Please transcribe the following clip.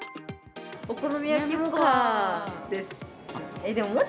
お好み焼きもかーです。